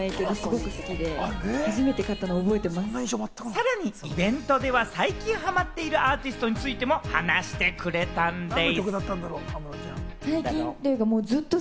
さらにイベントでは最近ハマっているアーティストについても話してくれたんでぃす。